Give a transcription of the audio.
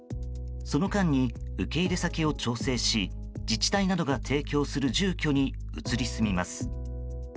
その間に受け入れ先を調整し自治体などが提供する住居に移り住みます。